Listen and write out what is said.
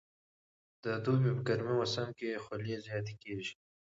د دوبي په ګرم موسم کې خولې زیاتې کېږي.